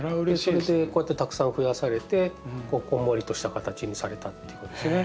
それでこうやってたくさん増やされてこんもりとした形にされたっていうことですね。